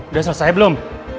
udah selesai belum